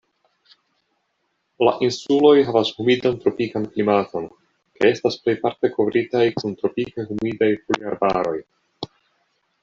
La insuloj havas humidan tropikan klimaton, kaj estas plejparte kovritaj kun tropikaj humidaj foliarbaroj.